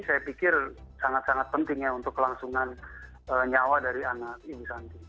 saya pikir sangat sangat penting ya untuk kelangsungan nyawa dari anak ibu santi